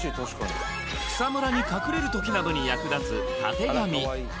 草むらに隠れる時などに役立つたてがみ